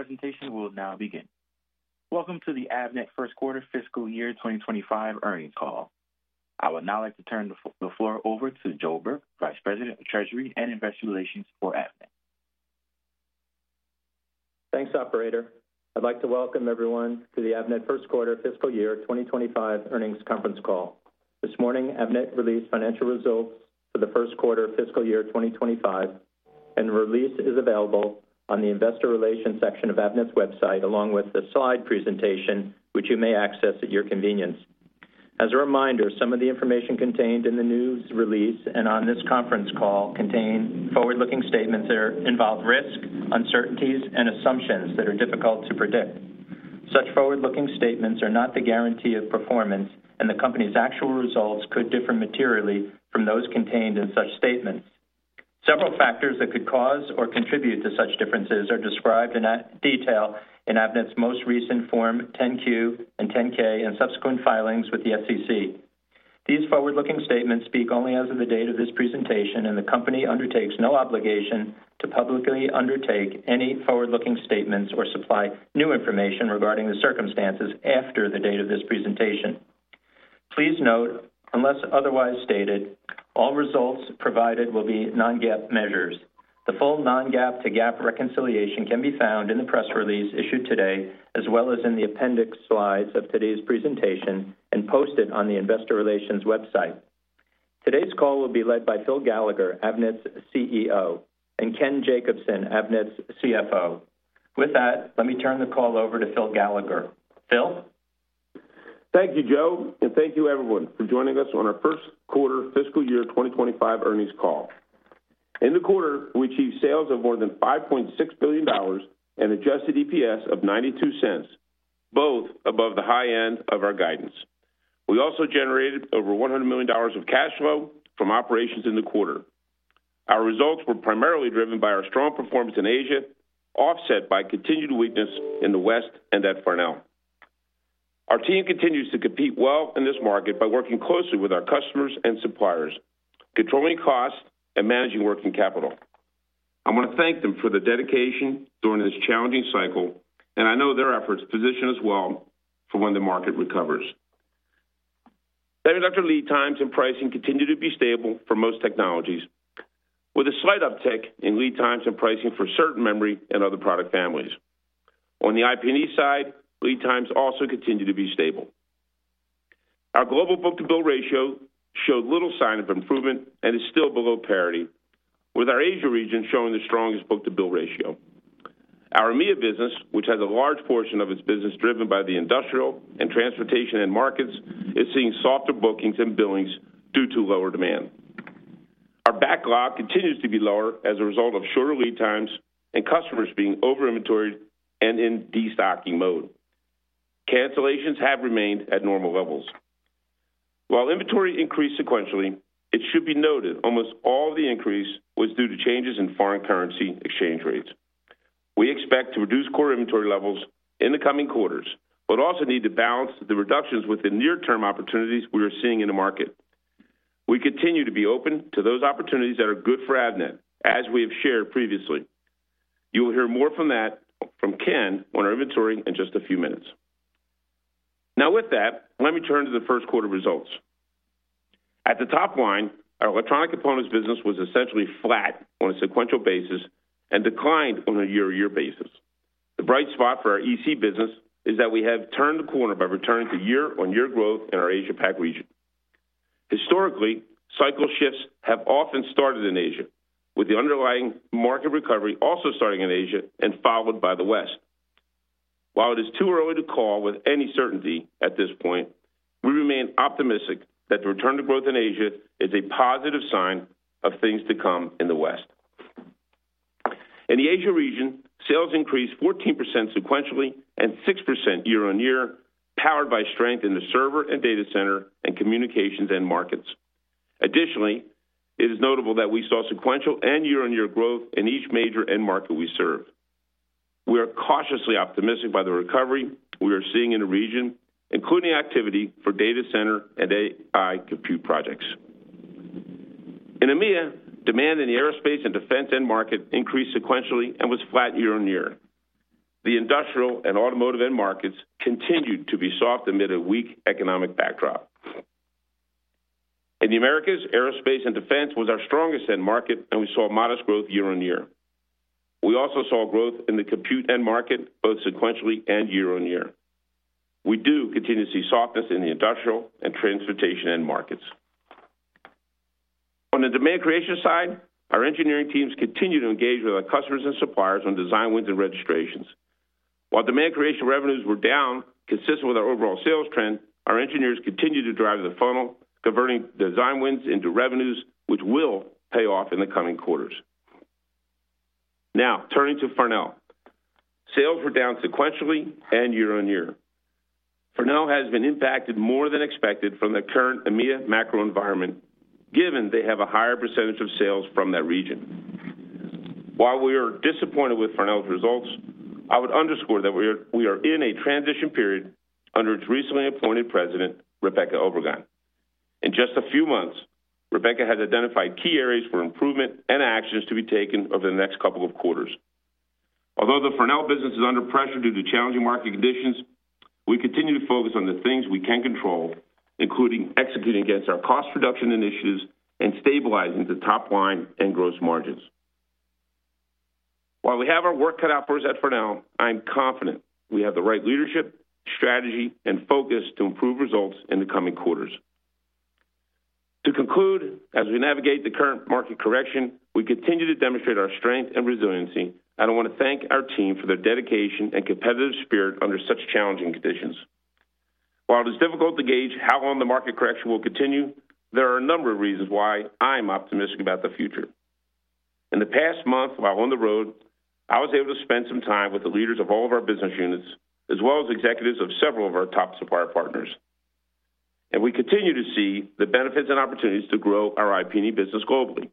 Please stand by. Our presentation will now begin. Welcome to the Avnet First Quarter Fiscal Year 2025 earnings call. I would now like to turn the floor over to Joe Burke, Vice President of Treasury and Investor Relations for Avnet. Thanks, Operator. I'd like to welcome everyone to the Avnet First Quarter Fiscal Year 2025 earnings conference call. This morning, Avnet released financial results for the first quarter of fiscal year 2025, and the release is available on the Investor Relations section of Avnet's website, along with the slide presentation, which you may access at your convenience. As a reminder, some of the information contained in the news release and on this conference call contain forward-looking statements that involve risk, uncertainties, and assumptions that are difficult to predict. Such forward-looking statements are not the guarantee of performance, and the company's actual results could differ materially from those contained in such statements. Several factors that could cause or contribute to such differences are described in detail in Avnet's most recent Form 10-Q and 10-K and subsequent filings with the SEC. These forward-looking statements speak only as of the date of this presentation, and the company undertakes no obligation to publicly undertake any forward-looking statements or supply new information regarding the circumstances after the date of this presentation. Please note, unless otherwise stated, all results provided will be non-GAAP measures. The full non-GAAP to GAAP reconciliation can be found in the press release issued today, as well as in the appendix slides of today's presentation, and posted on the Investor Relations website. Today's call will be led by Phil Gallagher, Avnet's CEO, and Ken Jacobson, Avnet's CFO. With that, let me turn the call over to Phil Gallagher. Phil? Thank you, Joe, and thank you, everyone, for joining us on our First Quarter Fiscal Year 2025 earnings call. In the quarter, we achieved sales of more than $5.6 billion and an adjusted EPS of $0.92, both above the high end of our guidance. We also generated over $100 million of cash flow from operations in the quarter. Our results were primarily driven by our strong performance in Asia, offset by continued weakness in the West and at Farnell. Our team continues to compete well in this market by working closely with our customers and suppliers, controlling costs and managing working capital. I want to thank them for their dedication during this challenging cycle, and I know their efforts position us well for when the market recovers. Actives. Lead times and pricing continue to be stable for most technologies, with a slight uptick in lead times and pricing for certain memory and other product families. On the IP&E side, lead times also continue to be stable. Our global book-to-bill ratio showed little sign of improvement and is still below parity, with our Asia region showing the strongest book-to-bill ratio. Our EMEA business, which has a large portion of its business driven by the industrial and transportation markets, is seeing softer bookings and billings due to lower demand. Our backlog continues to be lower as a result of shorter lead times and customers being over-inventoried and in destocking mode. Cancellations have remained at normal levels. While inventory increased sequentially, it should be noted almost all of the increase was due to changes in foreign currency exchange rates. We expect to reduce core inventory levels in the coming quarters, but also need to balance the reductions with the near-term opportunities we are seeing in the market. We continue to be open to those opportunities that are good for Avnet, as we have shared previously. You will hear more on that from Ken on our inventory in just a few minutes. Now, with that, let me turn to the first quarter results. At the top line, our electronic components business was essentially flat on a sequential basis and declined on a year-to-year basis. The bright spot for our EC business is that we have turned the corner by returning to year-on-year growth in our Asia-Pac region. Historically, cycle shifts have often started in Asia, with the underlying market recovery also starting in Asia and followed by the West. While it is too early to call with any certainty at this point, we remain optimistic that the return to growth in Asia is a positive sign of things to come in the West. In the Asia region, sales increased 14% sequentially and 6% year-on-year, powered by strength in the server and data center and communications end markets. Additionally, it is notable that we saw sequential and year-on-year growth in each major end market we served. We are cautiously optimistic by the recovery we are seeing in the region, including activity for data center and AI compute projects. In EMEA, demand in the aerospace and defense end market increased sequentially and was flat year-on-year. The industrial and automotive end markets continued to be soft amid a weak economic backdrop. In the Americas, aerospace and defense was our strongest end market, and we saw modest growth year-on-year. We also saw growth in the compute end market, both sequentially and year-on-year. We do continue to see softness in the industrial and transportation end markets. On the demand creation side, our engineering teams continue to engage with our customers and suppliers on design wins and registrations. While demand creation revenues were down, consistent with our overall sales trend, our engineers continue to drive the funnel, converting design wins into revenues, which will pay off in the coming quarters. Now, turning to Farnell. Sales were down sequentially and year-on-year. Farnell has been impacted more than expected from the current EMEA macro environment, given they have a higher percentage of sales from that region. While we are disappointed with Farnell's results, I would underscore that we are in a transition period under its recently appointed president, Rebecca Obregon. In just a few months, Rebecca has identified key areas for improvement and actions to be taken over the next couple of quarters. Although the Farnell business is under pressure due to challenging market conditions, we continue to focus on the things we can control, including executing against our cost reduction initiatives and stabilizing the top line and gross margins. While we have our work cut out for us at Farnell, I'm confident we have the right leadership, strategy, and focus to improve results in the coming quarters. To conclude, as we navigate the current market correction, we continue to demonstrate our strength and resiliency, and I want to thank our team for their dedication and competitive spirit under such challenging conditions. While it is difficult to gauge how long the market correction will continue, there are a number of reasons why I'm optimistic about the future. In the past month while on the road, I was able to spend some time with the leaders of all of our business units, as well as executives of several of our top supplier partners, and we continue to see the benefits and opportunities to grow our IP&E business globally.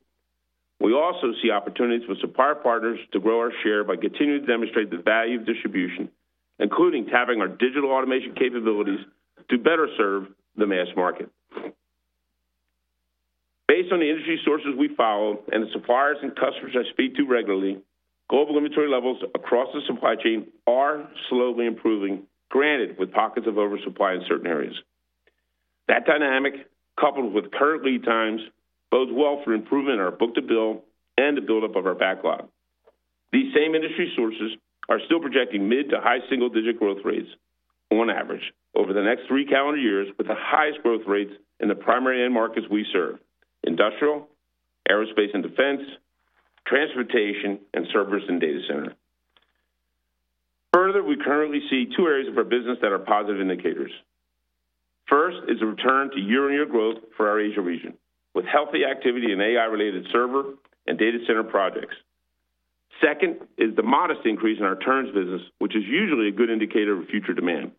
We also see opportunities with supplier partners to grow our share by continuing to demonstrate the value of distribution, including tapping our digital automation capabilities to better serve the mass market. Based on the industry sources we follow and the suppliers and customers I speak to regularly, global inventory levels across the supply chain are slowly improving, granted with pockets of oversupply in certain areas. That dynamic, coupled with current lead times, bodes well for improvement in our book-to-bill and the buildup of our backlog. These same industry sources are still projecting mid to high single-digit growth rates on average over the next three calendar years, with the highest growth rates in the primary end markets we serve: industrial, aerospace and defense, transportation, and servers and data center. Further, we currently see two areas of our business that are positive indicators. First is the return to year-on-year growth for our Asia region, with healthy activity in AI-related server and data center projects. Second is the modest increase in our turns business, which is usually a good indicator of future demand.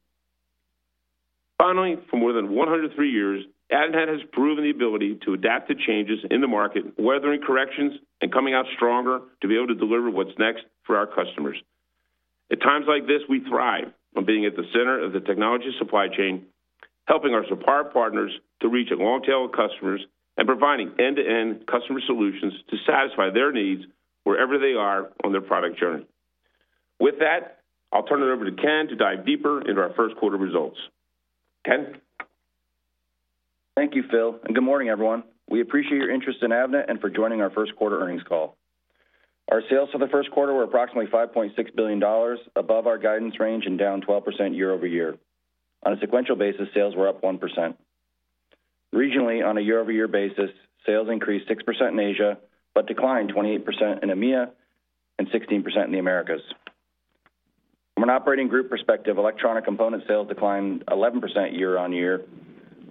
Finally, for more than 103 years, Avnet has proven the ability to adapt to changes in the market, weathering corrections and coming out stronger to be able to deliver what's next for our customers. At times like this, we thrive on being at the center of the technology supply chain, helping our supplier partners to reach a long tail of customers and providing end-to-end customer solutions to satisfy their needs wherever they are on their product journey. With that, I'll turn it over to Ken to dive deeper into our first quarter results. Ken. Thank you, Phil, and good morning, everyone. We appreciate your interest in Avnet and for joining our first quarter earnings call. Our sales for the first quarter were approximately $5.6 billion, above our guidance range and down 12% year-over-year. On a sequential basis, sales were up 1%. Regionally, on a year-over-year basis, sales increased 6% in Asia, but declined 28% in EMEA and 16% in the Americas. From an operating group perspective, electronic component sales declined 11% year-over-year,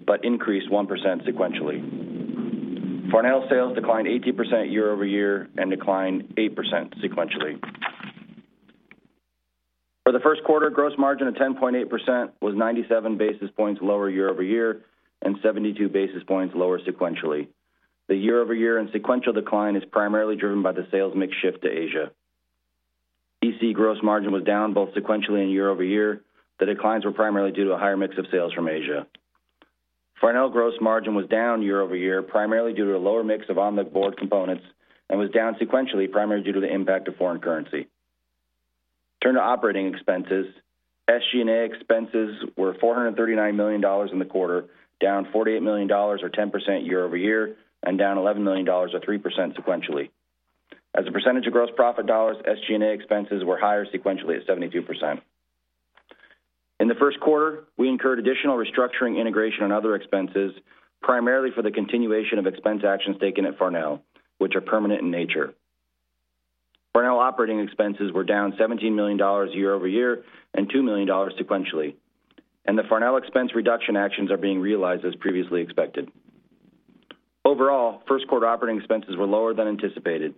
but increased 1% sequentially. Farnell sales declined 18% year-over-year and declined 8% sequentially. For the first quarter, gross margin of 10.8% was 97 basis points lower year-over-year and 72 basis points lower sequentially. The year-over-year and sequential decline is primarily driven by the sales mix shift to Asia. EC gross margin was down both sequentially and year-over-year. The declines were primarily due to a higher mix of sales from Asia. Farnell gross margin was down year-over-year primarily due to a lower mix of onboard components and was down sequentially primarily due to the impact of foreign currency. Turn to operating expenses. SG&A expenses were $439 million in the quarter, down $48 million or 10% year-over-year, and down $11 million or 3% sequentially. As a percentage of gross profit dollars, SG&A expenses were higher sequentially at 72%. In the first quarter, we incurred additional restructuring integration and other expenses, primarily for the continuation of expense actions taken at Farnell, which are permanent in nature. Farnell operating expenses were down $17 million year-over-year and $2 million sequentially, and the Farnell expense reduction actions are being realized as previously expected. Overall, first quarter operating expenses were lower than anticipated.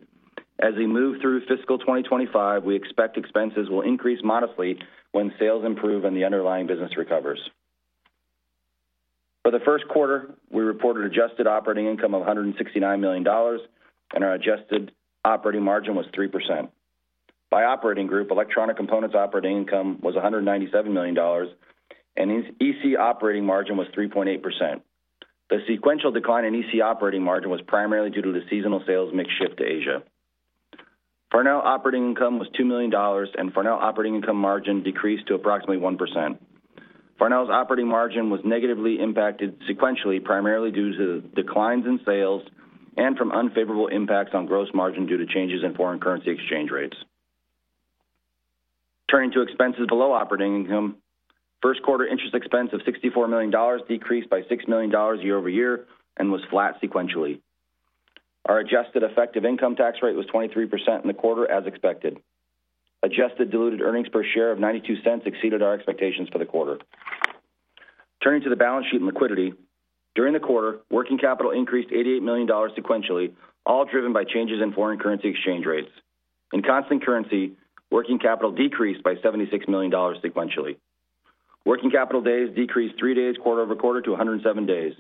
As we move through fiscal 2025, we expect expenses will increase modestly when sales improve and the underlying business recovers. For the first quarter, we reported adjusted operating income of $169 million, and our adjusted operating margin was 3%. By operating group, electronic components operating income was $197 million, and EC operating margin was 3.8%. The sequential decline in EC operating margin was primarily due to the seasonal sales mix shift to Asia. Farnell operating income was $2 million, and Farnell operating income margin decreased to approximately 1%. Farnell's operating margin was negatively impacted sequentially, primarily due to declines in sales and from unfavorable impacts on gross margin due to changes in foreign currency exchange rates. Turning to expenses below operating income, first quarter interest expense of $64 million decreased by $6 million year-over-year and was flat sequentially. Our adjusted effective income tax rate was 23% in the quarter, as expected. Adjusted diluted earnings per share of $0.92 exceeded our expectations for the quarter. Turning to the balance sheet and liquidity, during the quarter, working capital increased $88 million sequentially, all driven by changes in foreign currency exchange rates. In constant currency, working capital decreased by $76 million sequentially. Working capital days decreased three days quarter over quarter to 107 days.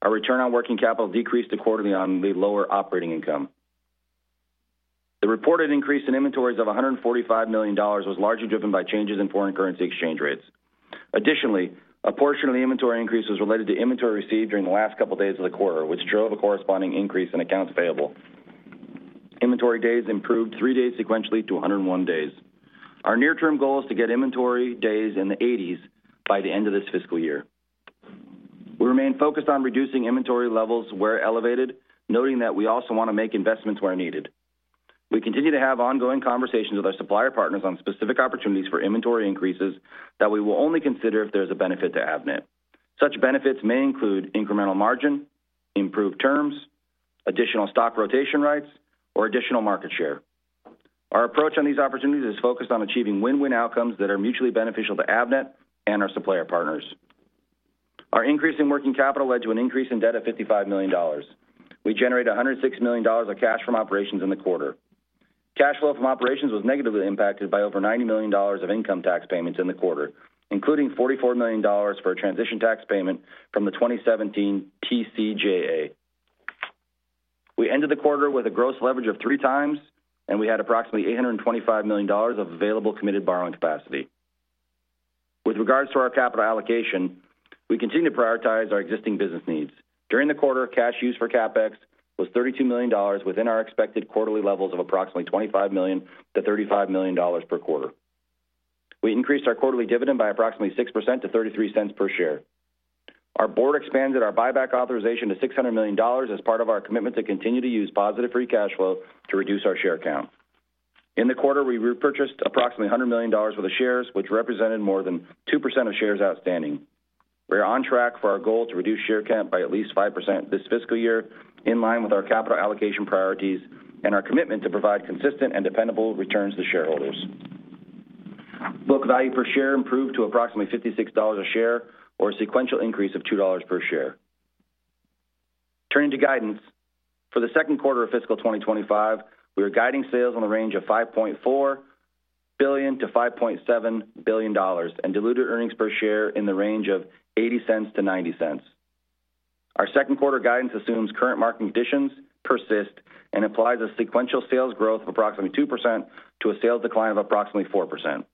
Our return on working capital decreased accordingly on the lower operating income. The reported increase in inventories of $145 million was largely driven by changes in foreign currency exchange rates. Additionally, a portion of the inventory increase was related to inventory received during the last couple of days of the quarter, which drove a corresponding increase in accounts payable. Inventory days improved three days sequentially to 101 days. Our near-term goal is to get inventory days in the 80s by the end of this fiscal year. We remain focused on reducing inventory levels where elevated, noting that we also want to make investments where needed. We continue to have ongoing conversations with our supplier partners on specific opportunities for inventory increases that we will only consider if there is a benefit to Avnet. Such benefits may include incremental margin, improved terms, additional stock rotation rights, or additional market share. Our approach on these opportunities is focused on achieving win-win outcomes that are mutually beneficial to Avnet and our supplier partners. Our increase in working capital led to an increase in debt of $55 million. We generated $106 million of cash from operations in the quarter. Cash flow from operations was negatively impacted by over $90 million of income tax payments in the quarter, including $44 million for a transition tax payment from the 2017 TCJA. We ended the quarter with a gross leverage of three times, and we had approximately $825 million of available committed borrowing capacity. With regards to our capital allocation, we continue to prioritize our existing business needs. During the quarter, cash used for CapEx was $32 million within our expected quarterly levels of approximately $25 million-$35 million per quarter. We increased our quarterly dividend by approximately 6% to $0.33 per share. Our board expanded our buyback authorization to $600 million as part of our commitment to continue to use positive free cash flow to reduce our share count. In the quarter, we repurchased approximately $100 million worth of shares, which represented more than 2% of shares outstanding. We are on track for our goal to reduce share count by at least 5% this fiscal year, in line with our capital allocation priorities and our commitment to provide consistent and dependable returns to shareholders. Book value per share improved to approximately $56 a share, or a sequential increase of $2 per share. Turning to guidance, for the second quarter of fiscal 2025, we are guiding sales in the range of $5.4 billion-$5.7 billion and diluted earnings per share in the range of $0.80-$0.90. Our second quarter guidance assumes current market conditions persist and implies a sequential sales growth of approximately 2% to a sales decline of approximately 4%.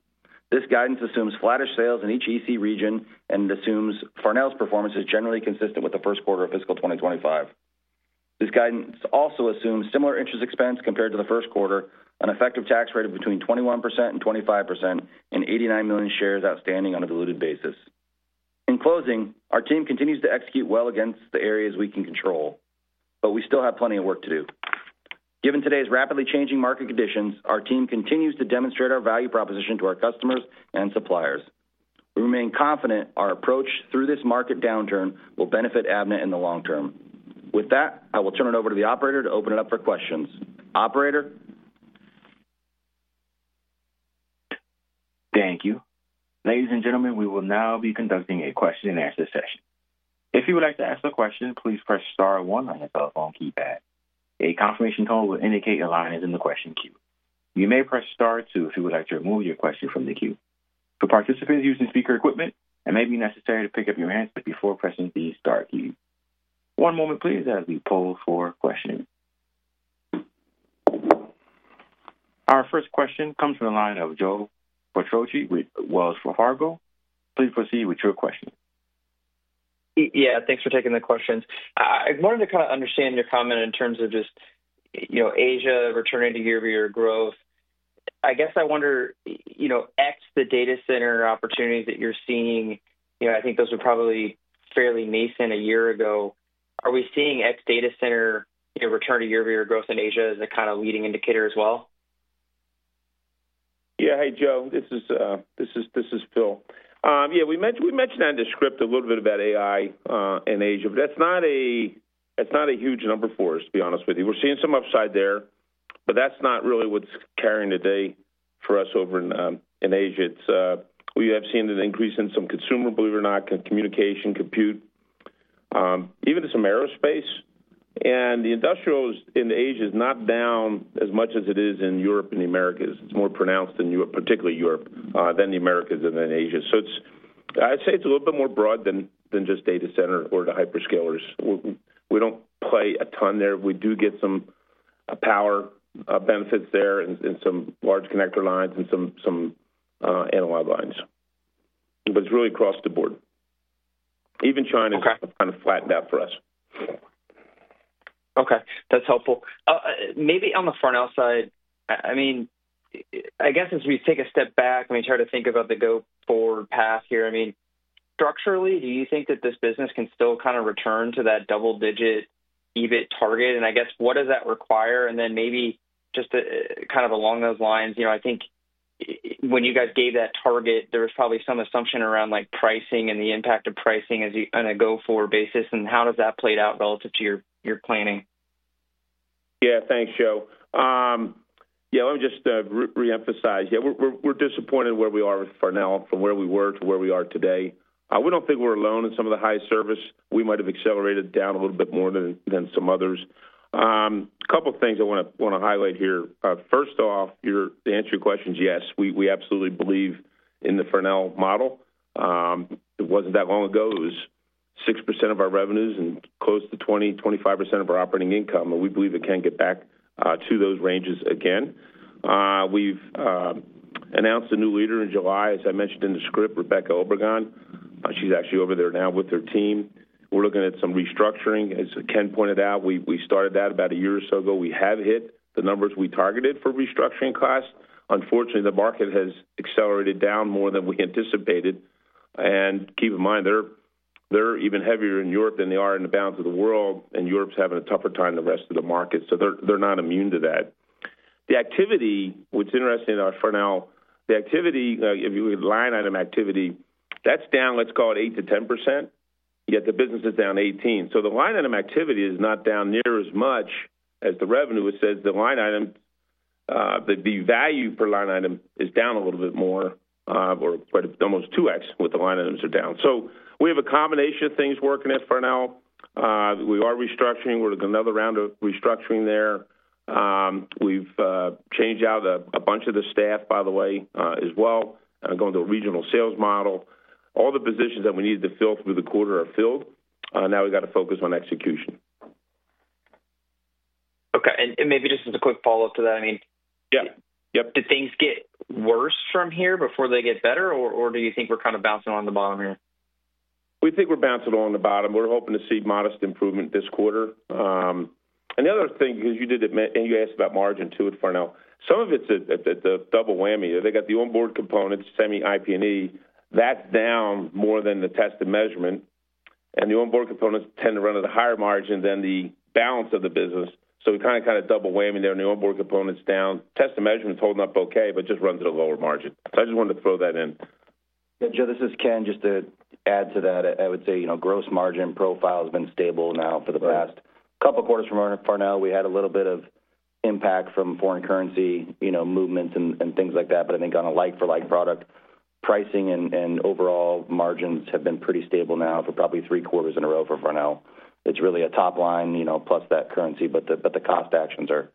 This guidance assumes flattish sales in each EC region, and it assumes Farnell's performance is generally consistent with the first quarter of fiscal 2025. This guidance also assumes similar interest expense compared to the first quarter, an effective tax rate of between 21% and 25%, and 89 million shares outstanding on a diluted basis. In closing, our team continues to execute well against the areas we can control, but we still have plenty of work to do. Given today's rapidly changing market conditions, our team continues to demonstrate our value proposition to our customers and suppliers. We remain confident our approach through this market downturn will benefit Avnet in the long term. With that, I will turn it over to the operator to open it up for questions. Operator. Thank you. Ladies and gentlemen, we will now be conducting a question-and-answer session. If you would like to ask a question, please press star one on your telephone keypad. A confirmation code will indicate a line is in the question queue. You may press star two if you would like to remove your question from the queue. For participants using speaker equipment, it may be necessary to pick up your handset before pressing the star key. One moment, please, as we poll for questions. Our first question comes from the line of Joe Quatrochi with Wells Fargo. Please proceed with your question. Yeah, thanks for taking the questions. I wanted to kind of understand your comment in terms of just Asia returning to year-over-year growth. I guess I wonder if the data center opportunities that you're seeing, I think those were probably fairly nascent a year ago. Are we seeing the data center return to year-over-year growth in Asia as a kind of leading indicator as well? Yeah, hey, Joe, this is Phil. Yeah, we mentioned on the script a little bit about AI in Asia, but that's not a huge number for us, to be honest with you. We're seeing some upside there, but that's not really what's carrying today for us over in Asia. We have seen an increase in some consumer, believe it or not, communication, compute, even to some aerospace. And the industrials in Asia are not down as much as it is in Europe and the Americas. It's more pronounced in Europe, particularly Europe, than the Americas and then Asia. So I'd say it's a little bit more broad than just data center or the hyperscalers. We don't play a ton there. We do get some power benefits there and some large connector lines and some analog lines. But it's really across the board. Even China is kind of flattened out for us. Okay. That's helpful. Maybe on the Farnell side, I guess as we take a step back and we try to think about the go-forward path here, I mean, structurally, do you think that this business can still kind of return to that double-digit EBIT target? And I guess what does that require? And then maybe just kind of along those lines, I think when you guys gave that target, there was probably some assumption around pricing and the impact of pricing on a go-forward basis. And how does that play out relative to your planning? Yeah, thanks, Joe. Yeah, let me just reemphasize. Yeah, we're disappointed where we are with Farnell, from where we were to where we are today. We don't think we're alone in some of the high service. We might have accelerated down a little bit more than some others. A couple of things I want to highlight here. First off, to answer your question, yes, we absolutely believe in the Farnell model. It wasn't that long ago. It was 6% of our revenues and close to 20-25% of our operating income, and we believe it can get back to those ranges again. We've announced a new leader in July, as I mentioned in the script, Rebecca Obregon. She's actually over there now with her team. We're looking at some restructuring. As Ken pointed out, we started that about a year or so ago. We have hit the numbers we targeted for restructuring costs. Unfortunately, the market has accelerated down more than we anticipated. And keep in mind, they're even heavier in Europe than they are in the balance of the world. And Europe's having a tougher time than the rest of the market. So they're not immune to that. The activity, what's interesting in our Farnell, the activity, line item activity, that's down, let's call it 8%-10%, yet the business is down 18%. So the line item activity is not down near as much as the revenue. It says the line item, the value per line item is down a little bit more, or almost 2x with the line items are down. So we have a combination of things working at Farnell. We are restructuring. We're in another round of restructuring there. We've changed out a bunch of the staff, by the way, as well, and are going to a regional sales model. All the positions that we needed to fill through the quarter are filled. Now we got to focus on execution. Okay. And maybe just as a quick follow-up to that, I mean, did things get worse from here before they get better, or do you think we're kind of bouncing on the bottom here? We think we're bouncing on the bottom. We're hoping to see modest improvement this quarter, and the other thing, because you did admit, and you asked about margin too at Farnell, some of it's at the double whammy. They got the onboard components, semi-IP&E. That's down more than the test and measurement, and the onboard components tend to run at a higher margin than the balance of the business. So we're kind of double whammy there, and the onboard component's down. Test and measurement's holding up okay, but just runs at a lower margin. So I just wanted to throw that in. Yeah, Joe, this is Ken, just to add to that. I would say gross margin profile has been stable now for the past couple of quarters from Farnell. We had a little bit of impact from foreign currency movements and things like that, but I think on a like-for-like product, pricing and overall margins have been pretty stable now for probably three quarters in a row for Farnell. It's really a top line, plus that currency, but the cost actions are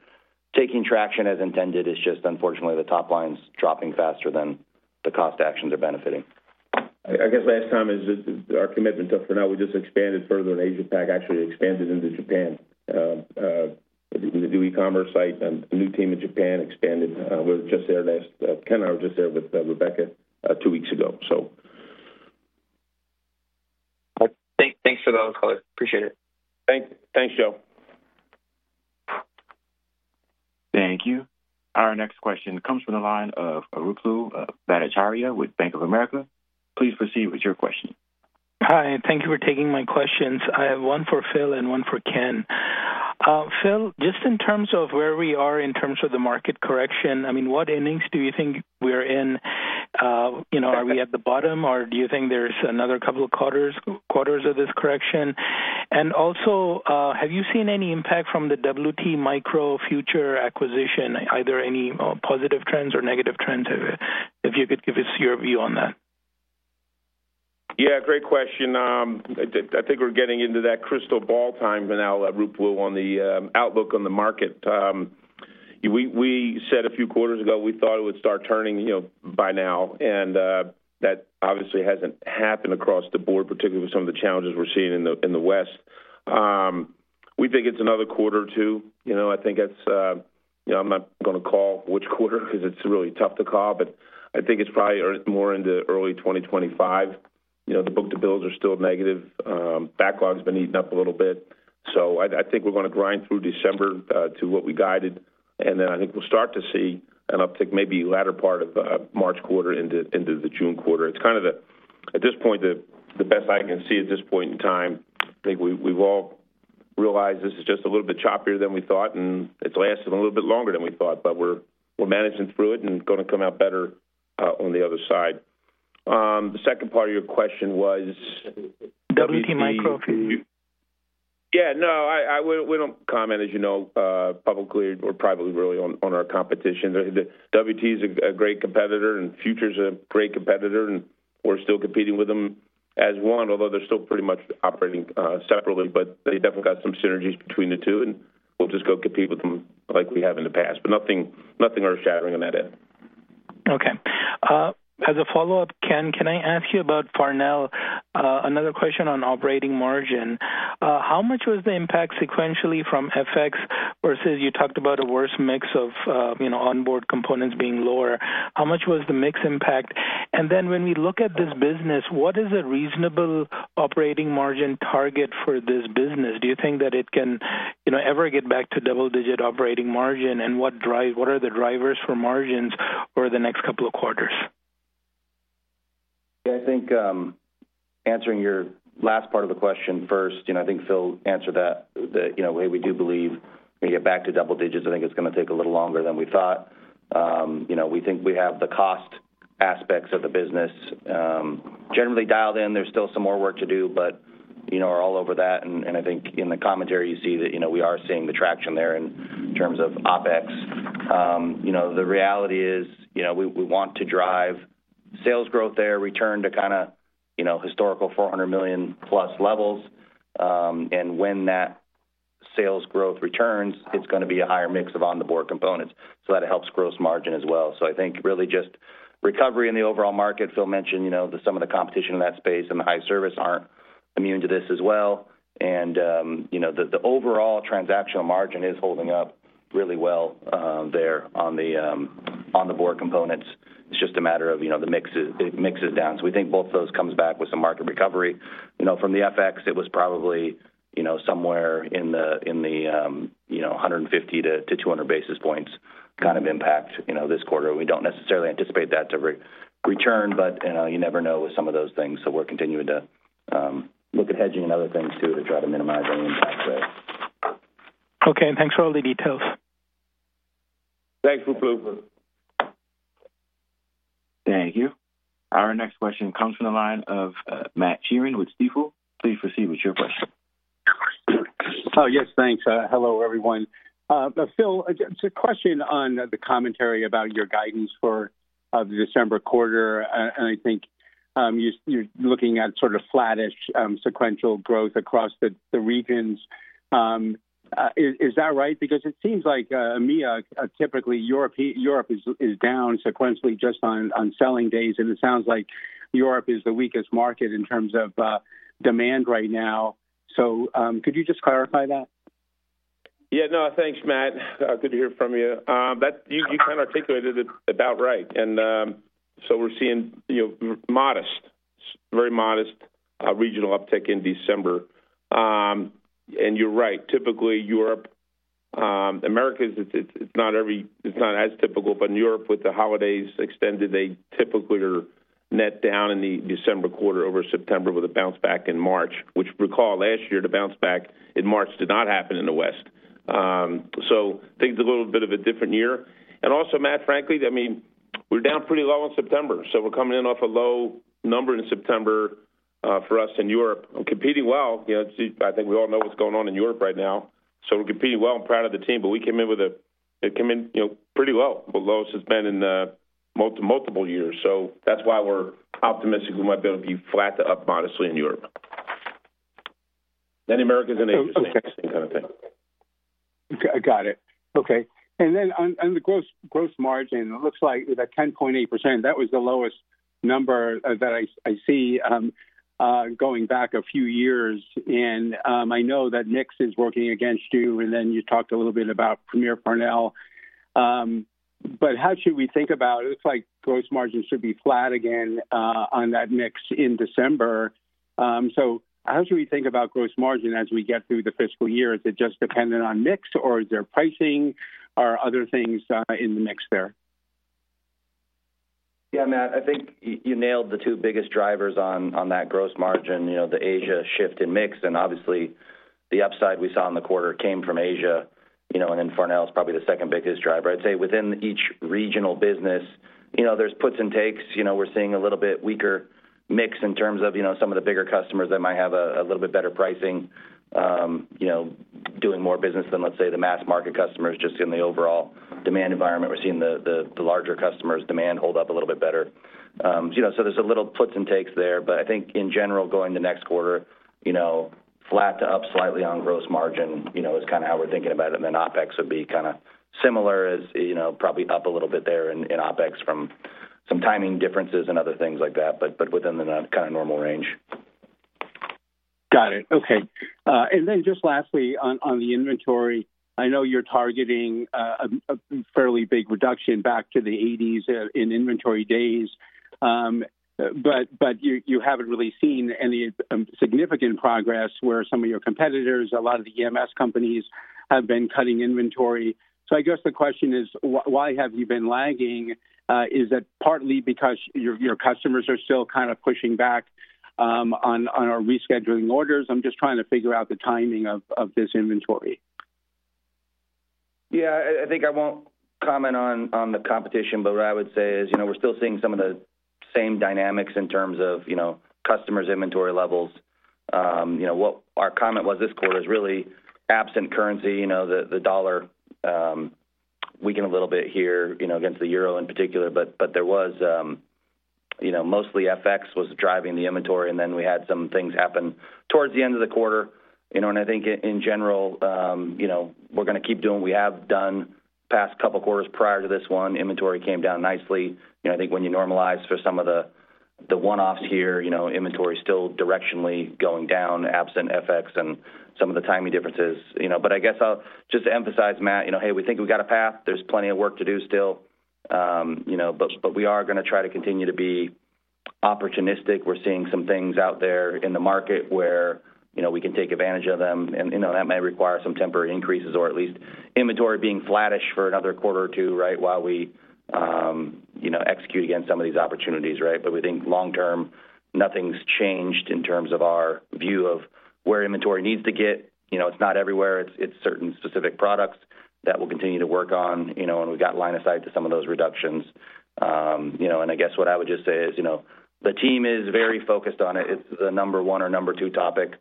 taking traction as intended. It's just, unfortunately, the top line's dropping faster than the cost actions are benefiting. I guess last time is our commitment to Farnell. We just expanded further, and AsiaPac actually expanded into Japan. The new e-commerce site and new team in Japan expanded. Ken and I were just there with Rebecca two weeks ago, so. Thanks for that, Cole. Appreciate it. Thanks, Joe. Thank you. Our next question comes from the line of Ruplu Bhattacharya with Bank of America. Please proceed with your question. Hi. Thank you for taking my questions. I have one for Phil and one for Ken. Phil, just in terms of where we are in terms of the market correction, I mean, what innings do you think we're in? Are we at the bottom, or do you think there's another couple of quarters of this correction? And also, have you seen any impact from the WT Micro Future acquisition, either any positive trends or negative trends? If you could give us your view on that. Yeah, great question. I think we're getting into that crystal ball time now, Ruplu, on the outlook on the market. We said a few quarters ago, we thought it would start turning by now. And that obviously hasn't happened across the board, particularly with some of the challenges we're seeing in the West. We think it's another quarter or two. I think it's, I'm not going to call which quarter because it's really tough to call, but I think it's probably more into early 2025. The book to bills are still negative. Backlog's been eaten up a little bit. So I think we're going to grind through December to what we guided. And then I think we'll start to see an uptick maybe latter part of March quarter into the June quarter. It's kind of, at this point, the best I can see at this point in time. I think we've all realized this is just a little bit choppier than we thought, and it's lasted a little bit longer than we thought, but we're managing through it and going to come out better on the other side. The second part of your question was. WT Micro. Yeah, no, we don't comment, as you know, publicly or privately really on our competition. WT is a great competitor, and Future is a great competitor, and we're still competing with them as one, although they're still pretty much operating separately, but they definitely got some synergies between the two, and we'll just go compete with them like we have in the past. But nothing earth-shattering on that end. Okay. As a follow-up, Ken, can I ask you about Farnell? Another question on operating margin. How much was the impact sequentially from FX versus you talked about a worse mix of onboard components being lower? How much was the mix impact? And then when we look at this business, what is a reasonable operating margin target for this business? Do you think that it can ever get back to double-digit operating margin, and what are the drivers for margins over the next couple of quarters? Yeah, I think answering your last part of the question first, I think Phil answered that. We do believe we get back to double digits. I think it's going to take a little longer than we thought. We think we have the cost aspects of the business generally dialed in. There's still some more work to do, but we're all over that. And I think in the commentary, you see that we are seeing the traction there in terms of OpEx. The reality is we want to drive sales growth there, return to kind of historical 400 million-plus levels. And when that sales growth returns, it's going to be a higher mix of onboard components. So that helps gross margin as well. So, I think really just recovery in the overall market. Phil mentioned some of the competition in that space, and the high service aren't immune to this as well. And the overall transactional margin is holding up really well there on the onboard components. It's just a matter of the mix is down. So we think both of those come back with some market recovery. From the FX, it was probably somewhere in the 150-200 basis points kind of impact this quarter. We don't necessarily anticipate that to return, but you never know with some of those things. So we're continuing to look at hedging and other things too to try to minimize any impact there. Okay. Thanks for all the details. Thanks, Ruplu. Thank you. Our next question comes from the line of Matt Sheerin with Stifel. Please proceed with your question. Oh, yes, thanks. Hello, everyone. Phil, just a question on the commentary about your guidance for the December quarter. And I think you're looking at sort of flattish sequential growth across the regions. Is that right? Because it seems to me, typically, Europe is down sequentially just on selling days. And it sounds like Europe is the weakest market in terms of demand right now. So could you just clarify that? Yeah, no, thanks, Matt. Good to hear from you. You kind of articulated it about right. And so we're seeing modest, very modest regional uptick in December. And you're right. Typically, Europe, America is not as typical, but in Europe, with the holidays extended, they typically are net down in the December quarter over September with a bounce back in March, which, recall, last year, the bounce back in March did not happen in the West. So I think it's a little bit of a different year. And also, Matt, frankly, I mean, we're down pretty low in September. So we're coming in off a low number in September for us in Europe. We're competing well. I think we all know what's going on in Europe right now. So we're competing well and proud of the team. But we came in pretty low, the lowest it's been in multiple years. So that's why we're optimistic we might be able to be flat to up modestly in Europe. Then Americas is in the same kind of thing. Got it. Okay. And then on the gross margin, it looks like we've got 10.8%. That was the lowest number that I see going back a few years. And I know that mix is working against you, and then you talked a little bit about Premier Farnell. But how should we think about it? It looks like gross margin should be flat again on that mix in December. So how should we think about gross margin as we get through the fiscal year? Is it just dependent on mix, or is there pricing or other things in the mix there? Yeah, Matt, I think you nailed the two biggest drivers on that gross margin, the Asia shift in mix. And obviously, the upside we saw in the quarter came from Asia. And then Farnell is probably the second biggest driver. I'd say within each regional business, there's puts and takes. We're seeing a little bit weaker mix in terms of some of the bigger customers that might have a little bit better pricing doing more business than, let's say, the mass market customers. Just in the overall demand environment, we're seeing the larger customers' demand hold up a little bit better. So there's a little puts and takes there. But I think, in general, going to next quarter, flat to up slightly on gross margin is kind of how we're thinking about it. And then OpEx would be kind of similar as probably up a little bit there in OpEx from some timing differences and other things like that, but within the kind of normal range. Got it. Okay. And then just lastly, on the inventory, I know you're targeting a fairly big reduction back to the 80s in inventory days. But you haven't really seen any significant progress where some of your competitors, a lot of the EMS companies, have been cutting inventory. So I guess the question is, why have you been lagging? Is it partly because your customers are still kind of pushing back on our rescheduling orders? I'm just trying to figure out the timing of this inventory. Yeah. I think I won't comment on the competition, but what I would say is we're still seeing some of the same dynamics in terms of customers' inventory levels. What our comment was this quarter is really absent currency. The dollar weakened a little bit here against the euro in particular, but there was mostly FX was driving the inventory. And then we had some things happen towards the end of the quarter. And I think, in general, we're going to keep doing what we have done the past couple of quarters prior to this one. Inventory came down nicely. I think when you normalize for some of the one-offs here, inventory is still directionally going down, absent FX and some of the timing differences. But I guess I'll just emphasize, Matt, hey, we think we've got a path. There's plenty of work to do still. But we are going to try to continue to be opportunistic. We're seeing some things out there in the market where we can take advantage of them. And that may require some temporary increases or at least inventory being flattish for another quarter or two, right, while we execute against some of these opportunities, right? But we think long-term, nothing's changed in terms of our view of where inventory needs to get. It's not everywhere. It's certain specific products that we'll continue to work on. And we've got line of sight to some of those reductions. And I guess what I would just say is the team is very focused on it. It's the number one or number two topic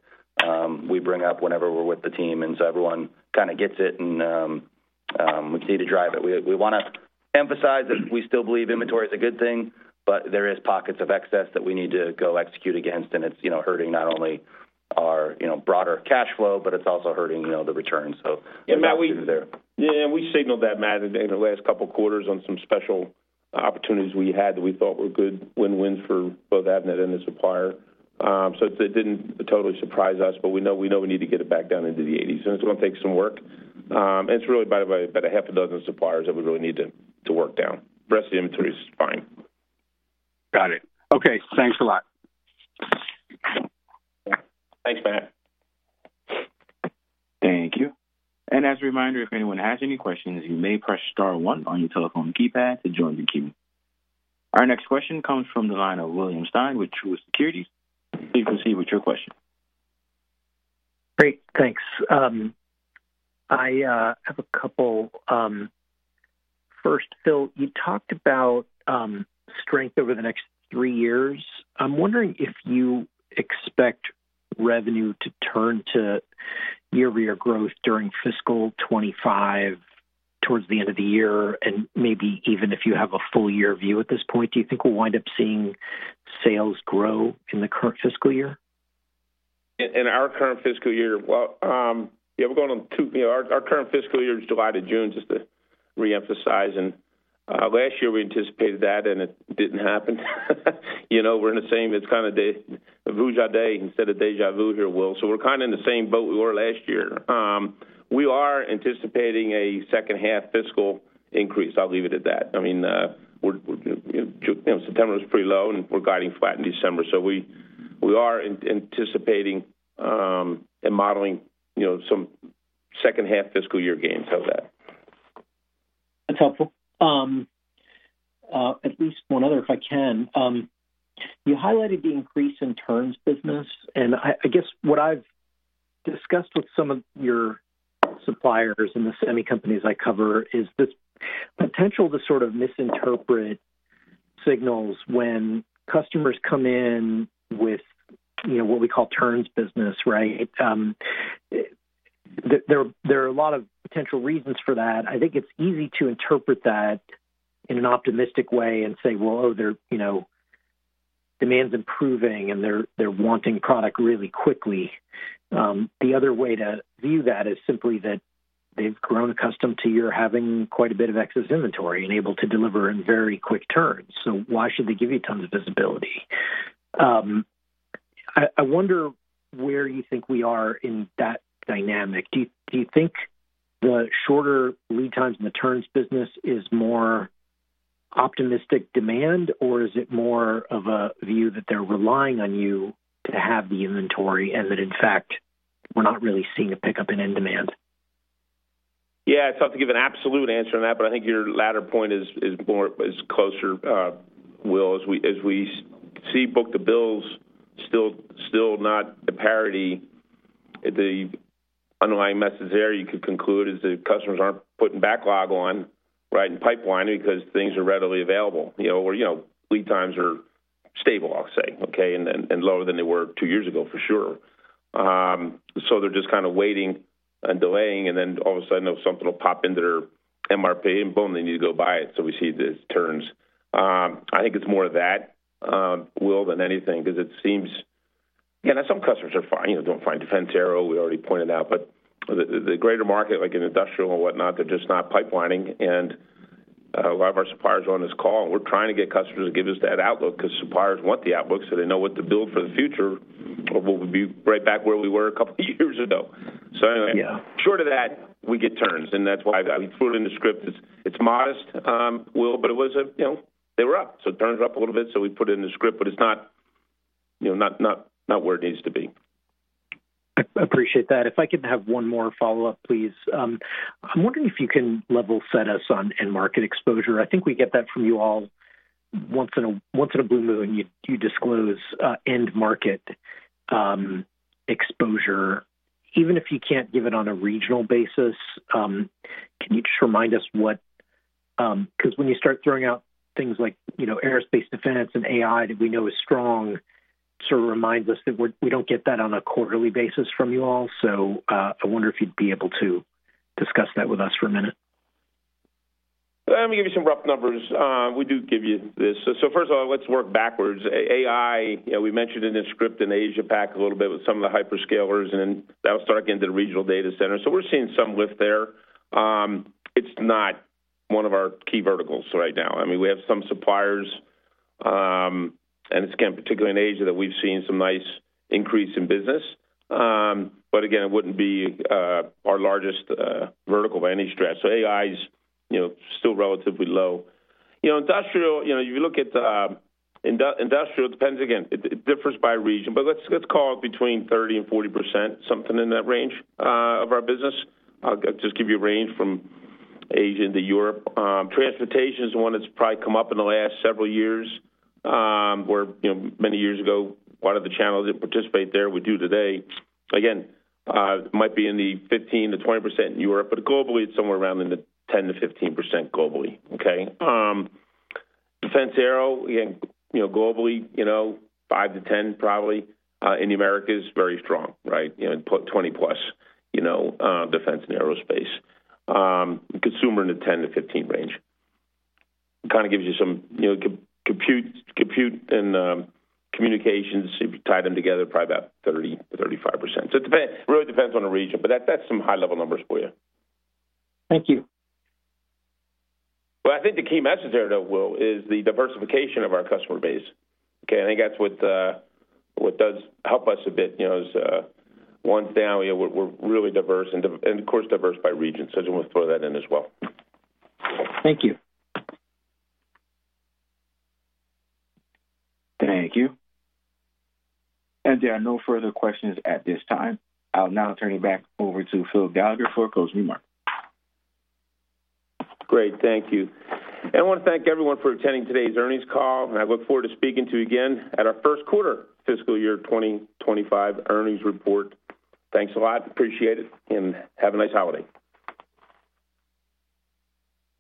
we bring up whenever we're with the team. And so everyone kind of gets it, and we continue to drive it. We want to emphasize that we still believe inventory is a good thing, but there are pockets of excess that we need to go execute against, and it's hurting not only our broader cash flow, but it's also hurting the returns, so we're through there. Yeah, and we signaled that, Matt, in the last couple of quarters on some special opportunities we had that we thought were good win-wins for both Avnet and the supplier, so it didn't totally surprise us, but we know we need to get it back down into the 80s, and it's going to take some work, and it's really about a half a dozen suppliers that we really need to work down. The rest of the inventory is fine. Got it. Okay. Thanks a lot. Thanks, Matt. Thank you. And as a reminder, if anyone has any questions, you may press star one on your telephone keypad to join the queue. Our next question comes from the line of William Stein with Truist Securities. Please proceed with your question. Great. Thanks. I have a couple. First, Phil, you talked about strength over the next three years. I'm wondering if you expect revenue to turn to year-over-year growth during fiscal 2025 towards the end of the year. Maybe even if you have a full-year view at this point, do you think we'll wind up seeing sales grow in the current fiscal year? In our current fiscal year, well, our current fiscal year is July to June, just to reemphasize, and last year we anticipated that, and it didn't happen. We're in the same, it's kind of the vuja gens instead of déjà vu here, Will, so we're kind of in the same boat we were last year. We are anticipating a second-half fiscal increase. I'll leave it at that, I mean, September was pretty low, and we're guiding flat in December, so we are anticipating and modeling some second-half fiscal year gains of that. That's helpful. At least one other, if I can. You highlighted the increase in turns business, and I guess what I've discussed with some of your suppliers and the semi companies I cover is this potential to sort of misinterpret signals when customers come in with what we call turns business, right? There are a lot of potential reasons for that. I think it's easy to interpret that in an optimistic way and say, "Well, oh, their demand's improving, and they're wanting product really quickly." The other way to view that is simply that they've grown accustomed to your having quite a bit of excess inventory and able to deliver in very quick turns, so why should they give you tons of visibility? I wonder where you think we are in that dynamic. Do you think the shorter lead times in the turns business is more optimistic demand, or is it more of a view that they're relying on you to have the inventory and that, in fact, we're not really seeing a pickup in end demand? Yeah. It's hard to give an absolute answer on that, but I think your latter point is closer, Will, as we see book to bills still not at parity. The underlying message there you could conclude is the customers aren't putting backlog on, right, in pipeline because things are readily available or lead times are stable, I'll say, okay, and lower than they were two years ago, for sure. So they're just kind of waiting and delaying, and then all of a sudden, something will pop into their MRP, and boom, they need to go buy it. So we see the turns. I think it's more of that, Will, than anything because it seems, yeah, now some customers are fine in defense, aero. We already pointed out. But the greater market, like in industrial and whatnot, they're just not pipelining. A lot of our suppliers are on this call, and we're trying to get customers to give us that outlook because suppliers want the outlook. So they know what to build for the future or we'll be right back where we were a couple of years ago. So anyway, short of that, we get turns. And that's why I threw it in the script. It's modest, Will, but it was a—they were up. So turns were up a little bit. So we put it in the script, but it's not where it needs to be. I appreciate that. If I can have one more follow-up, please. I'm wondering if you can level set us on end market exposure. I think we get that from you all once in a blue moon, you disclose end market exposure. Even if you can't give it on a regional basis, can you just remind us what, because when you start throwing out things like aerospace defense and AI that we know is strong, sort of reminds us that we don't get that on a quarterly basis from you all. So I wonder if you'd be able to discuss that with us for a minute. Let me give you some rough numbers. We do give you this. First of all, let's work backwards. AI, we mentioned it in the script in Asia-Pac a little bit with some of the hyperscalers. Then that'll start getting into the regional data centers. We're seeing some lift there. It's not one of our key verticals right now. I mean, we have some suppliers, and it's kind of particularly in Asia that we've seen some nice increase in business. Again, it wouldn't be our largest vertical by any stretch. AI is still relatively low. Industrial, if you look at the industrial, it depends again. It differs by region, but let's call it between 30%-40%, something in that range of our business. I'll just give you a range from Asia into Europe. Transportation is one that's probably come up in the last several years where many years ago, a lot of the channels didn't participate there. We do today. Again, it might be in the 15%–20% in Europe, but globally, it's somewhere around in the 10%–15% globally, okay? Defense aero, again, globally, 5%–10% probably. In the Americas, very strong, right? 20+% defense and aerospace. Consumer in the 10%-15% range. Kind of gives you some compute and communications. If you tie them together, probably about 30%–35%. So it really depends on the region, but that's some high-level numbers for you. Thank you. I think the key message there, though, Will, is the diversification of our customer base. Okay? I think that's what does help us a bit is one's down, we're really diverse and, of course, diverse by region. I just want to throw that in as well. Thank you. Thank you. And there are no further questions at this time. I'll now turn it back over to Phil Gallagher for a closing remark. Great. Thank you. I want to thank everyone for attending today's earnings call. I look forward to speaking to you again at our first quarter fiscal year 2025 earnings report. Thanks a lot. Appreciate it. Have a nice holiday.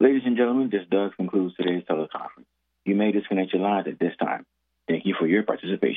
Ladies and gentlemen, this does conclude today's teleconference. You may disconnect your lines at this time. Thank you for your participation.